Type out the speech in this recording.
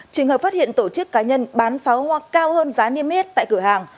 trường hợp phát hiện tổ chức cá nhân bán pháo hoa cao hơn giá niêm yết tại cửa hàng